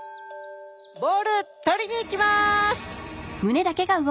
ボール取りに行きます！